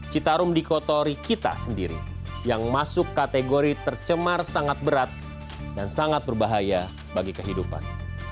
citarum dikotori kita sendiri yang masuk kategori tercemar sangat berat dan sangat berbahaya bagi kehidupan